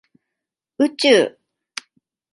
宇宙